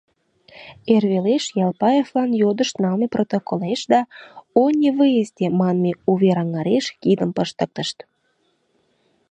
Эр велеш Ялпаевлан йодышт налме протоколеш да «о невыезде» манме увер-аҥареш кидым пыштыктышт.